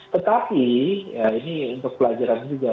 tetapi ya ini untuk pelajaran juga